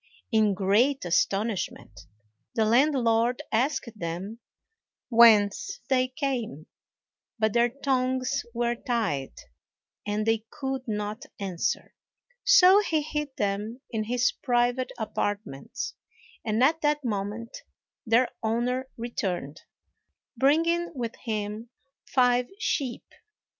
In great astonishment, the landlord asked them whence they came; but their tongues were tied, and they could not answer, so he hid them in his private apartments, and at that moment their owner returned, bringing with him five sheep.